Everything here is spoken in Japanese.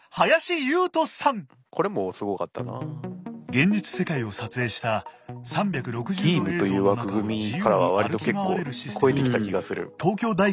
現実世界を撮影した３６０度映像の中を自由に歩き回れるシステムを東京大学と開発。